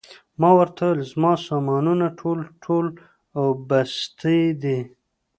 ما ورته وویل: زما سامانونه ټول، ټول او بستې دي.